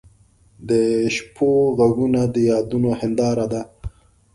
د شپو ږغونه د یادونو هنداره ده.